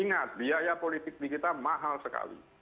ingat biaya politik di kita mahal sekali